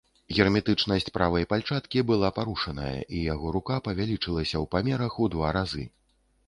Герметычнасць правай пальчаткі была парушаная, і яго рука павялічылася ў памерах у два разы.